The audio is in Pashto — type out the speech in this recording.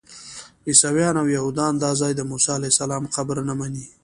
عیسویان او یهودیان دا ځای د موسی علیه السلام قبر نه مني.